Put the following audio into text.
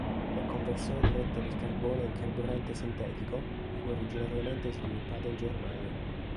La conversione diretta del carbone in carburante sintetico fu originariamente sviluppata in Germania.